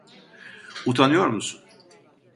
Utanıyor musun?